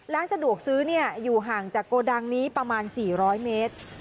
ร้านสะดวกซื้ออยู่ห่างจากโกดังนี้ประมาณ๔๐๐เมตร